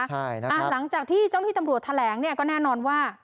หลังจากที่เจ้าหน้าที่ตำรวจแถลงเนี่ยก็แน่นอนว่า